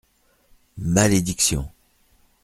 Malédiction !